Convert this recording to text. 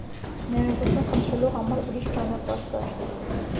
ներողություն խնդրելու համար ուրիշ ճանապարհ կար.